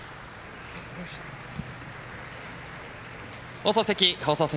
放送席、放送席。